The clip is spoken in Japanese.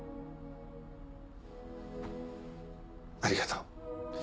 ありがとう。